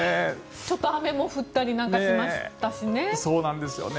ちょっと雨も降ったりなんかしたりしましたしね。